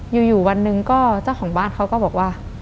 อยู่วันหนึ่งก็เจ้าของบ้านเขาก็บอกว่า